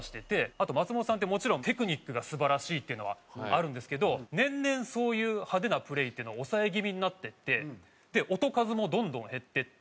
あと松本さんってもちろんテクニックが素晴らしいっていうのはあるんですけど年々そういう派手なプレイっていうのを抑え気味になっていって音数もどんどん減っていって。